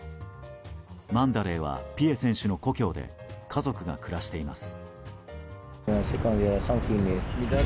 マンダレーはピエ選手の故郷で家族が暮らしています。